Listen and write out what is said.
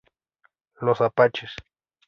Los apaches.